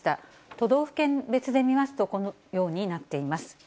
都道府県別で見ますと、このようになっています。